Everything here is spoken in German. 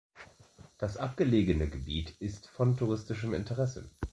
Das abgelegene Gebiet ist von touristischem Interesse.